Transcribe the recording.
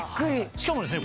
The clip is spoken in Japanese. しかもですね